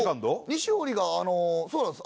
西堀がそうなんです。